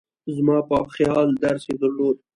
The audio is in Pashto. زما په خیال درس یې درلود.